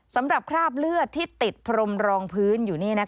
สำหรับคราบเลือดที่ติดพรมรองพื้นอยู่นี่